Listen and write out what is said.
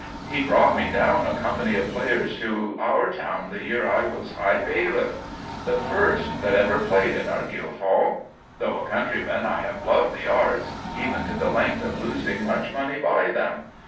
He brought me down a company of players to our town the year I was High Bailiff; the first that ever played in our Guildhall. Though a countryman, I have loved the arts even to the length of losing much money by them.